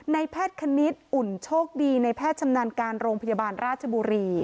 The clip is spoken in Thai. ในแพทย์คณิตอุ่นโชคดีในแพทย์ชำนาญการโรงพยาบาลราชบุรี